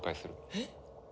えっ？